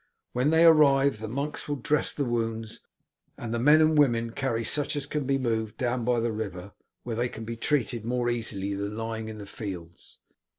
When they arrive the monks will dress the wounds, and the men and women carry such as can be moved down by the river, where they can be treated more easily than lying in the fields.